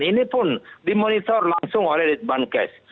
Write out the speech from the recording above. ini pun dimonitor langsung oleh litbangkes